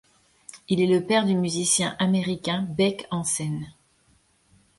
Il est le père du musicien américain Beck Hansen.